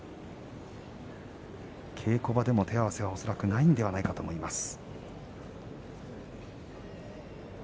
稽古場でも手合わせをしたことはないんじゃないかと思います。